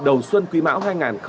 đầu xuân quý mão hai nghìn hai mươi ba